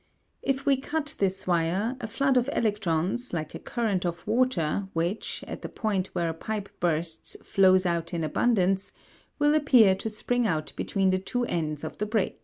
If we cut this wire, a flood of electrons, like a current of water which, at the point where a pipe bursts, flows out in abundance, will appear to spring out between the two ends of the break.